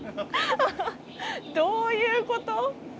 どういうこと？